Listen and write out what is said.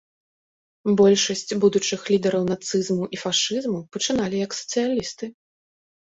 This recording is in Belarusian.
Большасць будучых лідараў нацызму і фашызму пачыналі як сацыялісты.